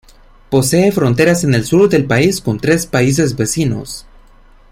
Posee fronteras en el sur del país con tres países vecinos.